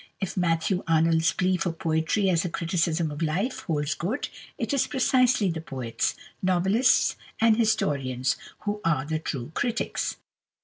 If Matthew Arnold's plea for poetry as a criticism of life holds good, it is precisely the poets, novelists and historians who are the true critics.